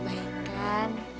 ah udah baik kan